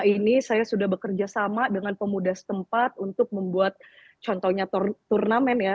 dan saya juga bekerja sama dengan pemuda setempat untuk membuat contohnya turnamen ya